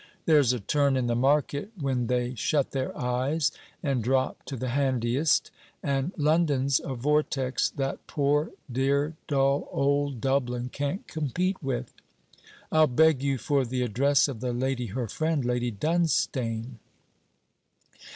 There's a turn in the market when they shut their eyes and drop to the handiest: and London's a vortex that poor dear dull old Dublin can't compete with. I 'll beg you for the address of the lady her friend, Lady Dunstane.'